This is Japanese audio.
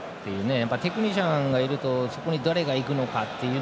テクニシャンがいるとそこに誰が行くのかという。